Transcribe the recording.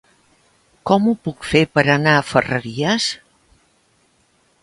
Com ho puc fer per anar a Ferreries?